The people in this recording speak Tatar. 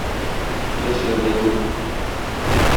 Яшьләр дә күп.